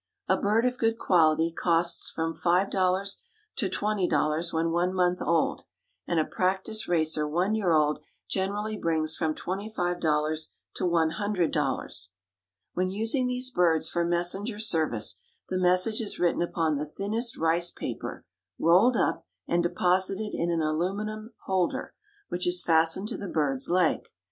A bird of good quality costs from $5 to $20 when one month old, and a practiced racer one year old generally brings from $25 to $100. When using these birds for messenger service the message is written upon the thinnest rice paper, rolled up and deposited in an aluminum holder, which is fastened to the bird's leg.